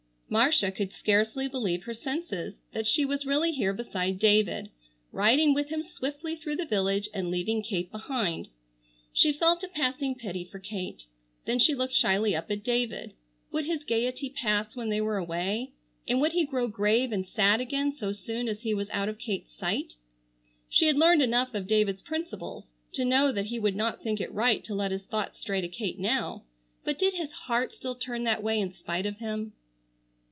Marcia could scarcely believe her senses that she was really here beside David, riding with him swiftly through the village and leaving Kate behind. She felt a passing pity for Kate. Then she looked shyly up at David. Would his gaiety pass when they were away, and would he grow grave and sad again so soon as he was out of Kate's sight? She had learned enough of David's principles to know that he would not think it right to let his thoughts stray to Kate now, but did his heart still turn that way in spite of him?